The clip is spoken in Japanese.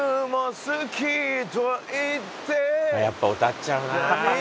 やっぱ歌っちゃうな。